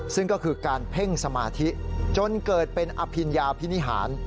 ซึ่งก็คือการเพ่งสมาธิจนเกิดเป็นอภิญญาพินิหาร